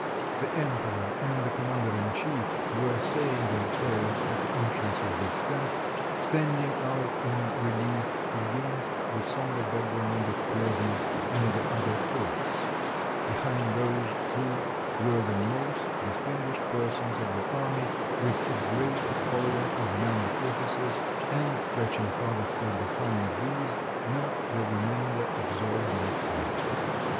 The emperor and the commander in chief were saying their prayers at the entrance of this tent, stand ing out in relief against the somber background of Plevna and the other forts; behind those two were the most distinguished persons of the army, with a great follow ing of younger officers, and stretching farther still be hind these knelt the remainder absorbed in prayer.